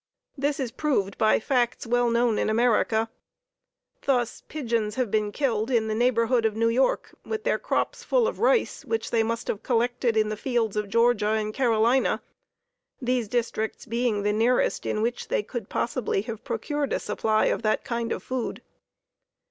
This is proved by facts well known in America. Thus, pigeons have been killed in the neighborhood of New York, with their crops full of rice, which they must have collected in the fields of Georgia and Carolina, these districts being the nearest in which they could possibly have procured a supply of that kind of food.